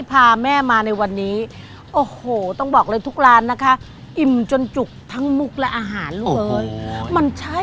สำหรับวันนี้มุนต์น้องควรลาไปก่อนครับ